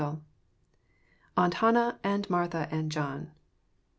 412 AUNT HANNAH, AND MARTHA, AND JOHN.